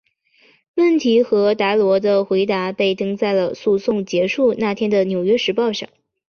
问题和达罗的回答被登在了诉讼结束那天的纽约时报上。